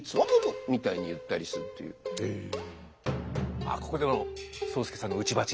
あっここでも宗助さんの打ち撥が。